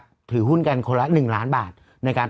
พี่โมดรู้สึกไหมพี่โมดรู้สึกไหมพี่โมดรู้สึกไหม